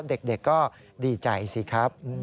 เด็กก็ดีใจสิครับ